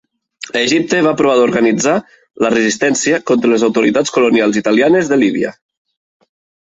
A Egipte, va provar d'organitzar la resistència contra les autoritats colonials italianes de Líbia.